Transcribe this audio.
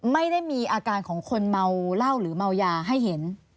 ไม่ได้มีอาการของคนเมาเหล้าหรือเมายาให้เห็น